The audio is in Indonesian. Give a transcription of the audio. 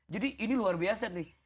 jadi ini luar biasa nih